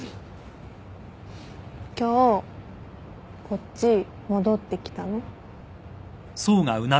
今日こっち戻ってきたの？